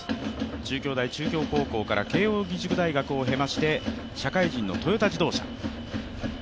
中京大中京高校から慶応義塾大学をへまして社会人のトヨタ自動車。